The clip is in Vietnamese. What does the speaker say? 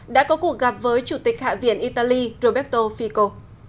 đã có cuộc gặp với chủ tịch hạ viện italy roberto fico